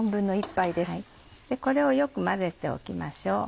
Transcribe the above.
これをよく混ぜておきましょう。